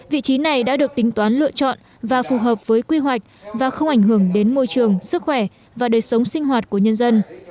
vị trí này đã được tính toán lựa chọn và phù hợp với quy hoạch và không ảnh hưởng đến môi trường sức khỏe và đời sống sinh hoạt của nhân dân